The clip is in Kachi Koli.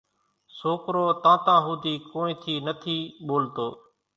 سوڪرو تانتان ھوڌي ڪونئين ٿي نٿي ٻولتو